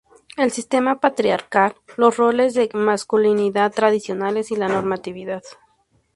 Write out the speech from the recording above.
el sistema patriarcal, los roles de masculinidad tradicionales y la normatividad